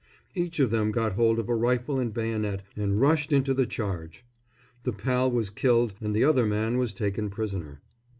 Each of them got hold of a rifle and bayonet and rushed into the charge. The pal was killed and the other man was taken prisoner.